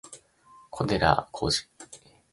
小寺浩二